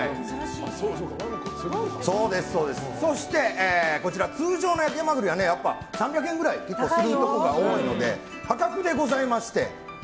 そして、通常の焼きハマグリは３００円ぐらいとか１個するところが多いので破格でございまして。